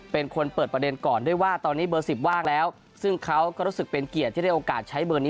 เป็นคนเปิดประเด็นก่อนด้วยว่าตอนนี้เบอร์๑๐ว่างแล้วซึ่งเขาก็รู้สึกเป็นเกียรติที่ได้โอกาสใช้เบอร์นี้